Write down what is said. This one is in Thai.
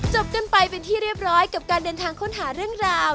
จบกันไปเป็นที่เรียบร้อยกับการเดินทางค้นหาเรื่องราว